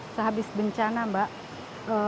karena sudah habis bencana mbak